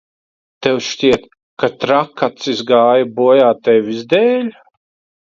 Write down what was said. Tev šķiet, ka Trakacis gāja bojā tevis dēļ?